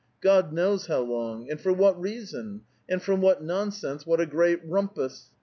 — God knows how long ! And for what reason ? and from what nonsense what a great rumpus